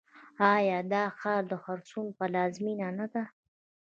آیا دا ښار د خرسونو پلازمینه نه ده؟